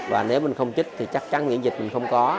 và nếu mình không trích thì chắc chắn những dịch mình không có